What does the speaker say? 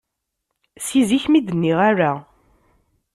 Si zik mi d-nniɣ ala.